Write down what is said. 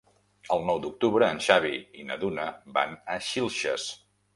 El nou d'octubre en Xavi i na Duna van a Xilxes.